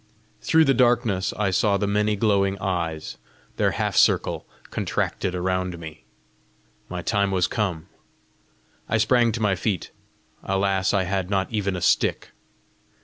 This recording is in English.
Through the darkness I saw the many glowing eyes; their half circle contracted around me. My time was come! I sprang to my feet. Alas, I had not even a stick!